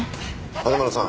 花村さん